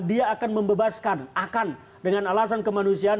dia akan membebaskan akan dengan alasan kemanusiaan